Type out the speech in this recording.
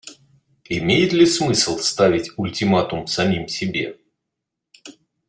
Имеет ли смысл ставить ультиматум самим себе?